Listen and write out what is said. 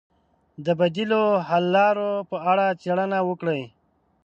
د بدیلو حل لارو په اړه څېړنه وکړئ.